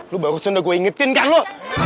lu baru sudah gue ingetin kan lu